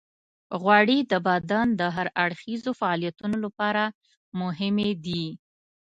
غوړې د بدن د هر اړخیزو فعالیتونو لپاره مهمې دي.